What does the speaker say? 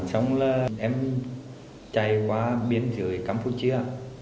xong là em chạy qua biên giới campuchia